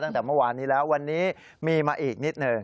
ตั้งแต่เมื่อวานนี้แล้ววันนี้มีมาอีกนิดหนึ่ง